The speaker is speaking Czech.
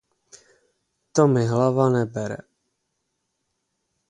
To mi hlava nebere.